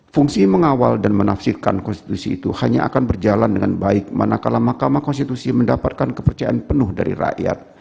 fungsi mengawal dan menafsirkan konstitusi itu hanya akan berjalan dengan baik manakala mahkamah konstitusi mendapatkan kepercayaan penuh dari rakyat